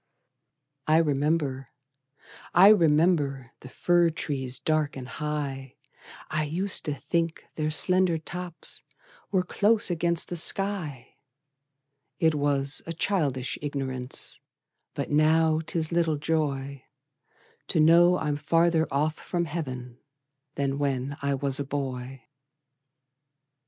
I remember, I remember, The fir trees dark and high; I used to think their slender tops Were close against the sky: It was a childish ignorance, But now 'tis little joy To know I'm farther off from Heav'n Than when I was a boy.